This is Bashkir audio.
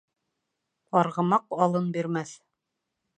Арғымаҡ алын бирмәҫ.